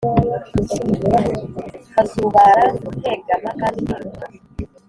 Nkazubara nkegama kandi nkiri muto